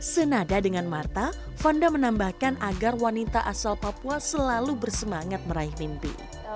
senada dengan marta fanda menambahkan agar wanita asal papua selalu bersemangat meraih mimpi